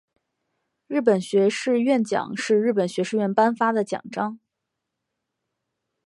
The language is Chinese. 日本学士院奖是日本学士院颁发的奖章。